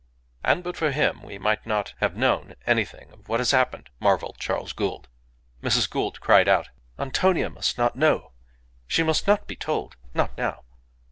"And but for him we might not have known anything of what has happened," marvelled Charles Gould. Mrs. Gould cried out "Antonia must not know! She must not be told. Not now."